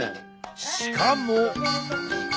しかも。